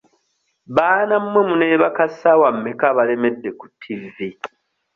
Baana mmwe muneebaka ssaawa mmeka abalemedde ku tivi?